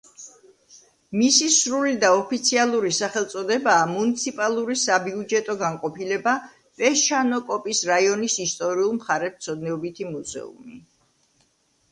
მისი სრული და ოფიციალური სახელწოდებაა „მუნიციპალური საბიუჯეტო განყოფილება პესჩანოკოპის რაიონის ისტორიულ-მხარეთმცოდნეობითი მუზეუმი“.